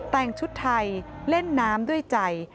แต่งชุดไทยเล่นน้ำด้วยใจ